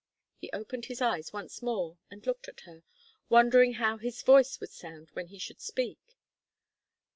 He opened his eyes once more and looked at her, wondering how his voice would sound when he should speak.